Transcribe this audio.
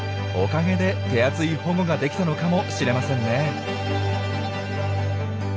おかげで手厚い保護ができたのかもしれませんね。